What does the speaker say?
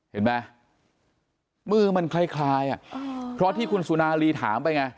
เห็นไหมมือมันคล้ายอ่ะเพราะที่คุณสุนารีถามไปไง